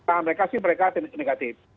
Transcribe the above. tangan mereka sih mereka negatif